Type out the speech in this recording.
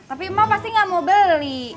tapi emak pasti gak mau beli